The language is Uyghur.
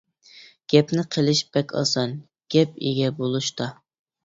گەپنى قىلىش بەك ئاسان، گەپ ئىگە بولۇشتا.